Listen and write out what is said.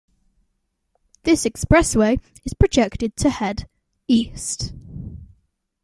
This expressway is projected to head east.